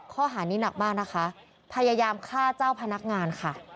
ข้อหานี้หนักมากนะคะพยายามฆ่าเจ้าพนักงานค่ะ